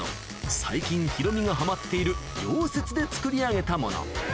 最近ヒロミがハマっている溶接で作り上げたもの